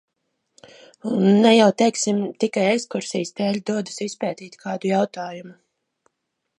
Un ne jau, teiksim, tikai ekskursijas dēļ dodas izpētīt kādu jautājumu.